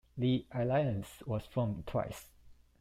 The Alliance was formed twice.